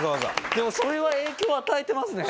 でもそれは影響与えてますね！